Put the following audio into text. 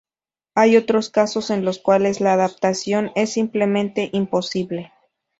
Hay otros casos en los cuales la adaptación es simplemente imposible.